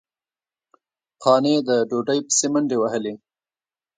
قانع د ډوډۍ پسې منډې وهلې.